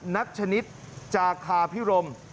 นัทชนิดจาคาพิรม